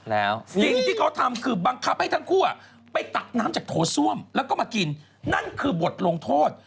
แล้วสิ่งที่เขาทำคือบังคับให้ทั้งคู่ไปตักน้ำจากโถส้วมแล้วก็มากินนั่นคือบทลงโทษ